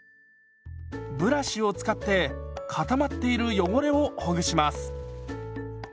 ブラシを使って固まっている汚れをほぐします。